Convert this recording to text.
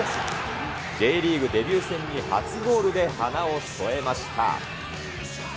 Ｊリーグデビュー戦に初ゴールで花を添えました。